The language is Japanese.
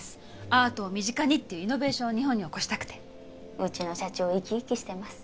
アートを身近にっていうイノベーションを日本に起こしたくてうちの社長生き生きしてます